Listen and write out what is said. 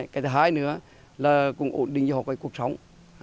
cái thứ hai nữa là cũng ổn định cho họ cái cuộc sống